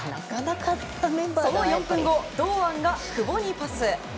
その４分後、堂安が久保にパス。